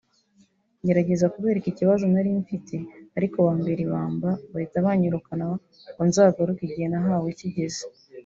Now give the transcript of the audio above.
ngerageza kubereka ikibazo nari mfite ariko bambera ibamba bahita banyirukana ngo nzagaruke igihe nahawe kigeze”